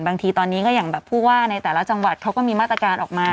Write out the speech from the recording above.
บางทีตอนนี้ก็อย่างแบบผู้ว่าในแต่ละจังหวัดเขาก็มีมาตรการออกมา